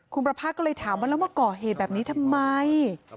คุณประพาทก็เลยถามว่าแล้วมาก่อเหตุแบบนี้ทำไม